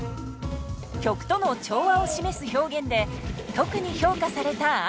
曲との調和を示す表現で特に評価されたＡＭＩ。